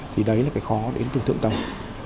thì đấy là cái khó đến từ thượng tầng